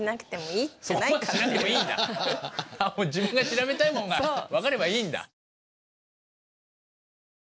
でも自分が調べたいもんが分かればいいんだ。